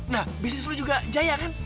nah bisnis lo juga jaya kan